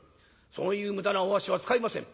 そういう無駄なお足は使いません。